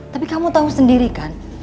tapi kamu tahu sendiri kan